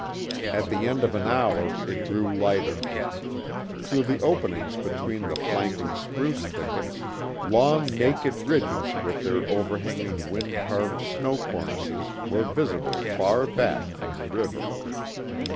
At the end of an hour it grew lighter. Through the openings between the flanking spruce thickets long naked ridges with their overhanging wind carved snow cornices were visible far back from the river.